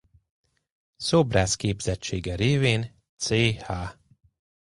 Szobrász képzettsége révén Ch.